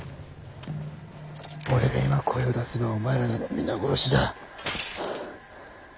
俺が今声を出せばお前らなど皆殺しだ。